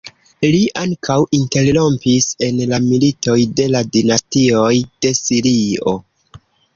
Li ankaŭ interrompis en la militoj de la dinastioj de Sirio.